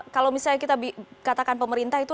kalau misalnya kita katakan pemerintah itu